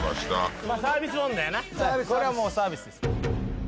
これはもうサービスですよ。